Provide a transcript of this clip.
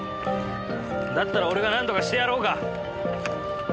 だったら俺がなんとかしてやろうか？